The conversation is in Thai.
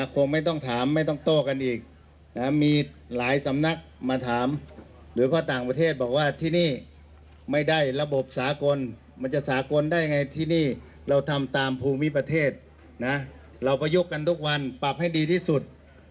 คงไม่ต้องถามไม่ต้องโต้กันอีกมีหลายสำนักมาถามหรือว่าต่างประเทศบอกว่าที่นี่ไม่ได้ระบบสากลมันจะสากลได้ไงที่นี่เราทำตามภูมิประเทศนะเราประยุกต์กันทุกวันปรับให้ดีที่สุด